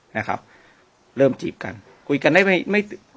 นะครับเริ่มจีบกันคุยกันได้ไม่ไม่